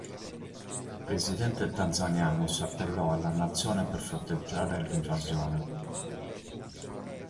Il presidente tanzaniano si appellò alla nazione per fronteggiare l'invasione.